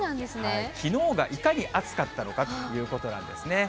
きのうがいかに暑かったのかということなんですね。